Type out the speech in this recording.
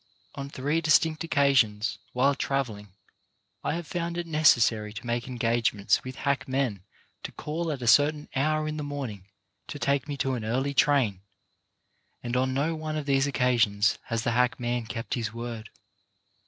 On three distinct occasions, while travelling, I have found it necessary to make engagements with hackmen to call at a certain hour in the morning to take me to an early train, and on no one of these occasions has the hackman kept his word.